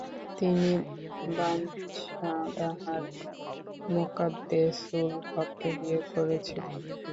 তিনি বানসাদাহার মোকাদ্দেসুল হককে বিয়ে করেছিলেন।